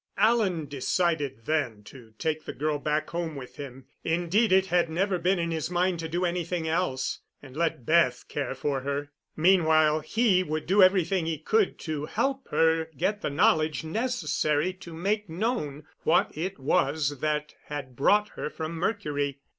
Alan decided then to take the girl back home with him indeed, it had never been in his mind to do anything else and let Beth care for her. Meanwhile he would do everything he could to help her get the knowledge necessary to make known what it was that had brought her from Mercury.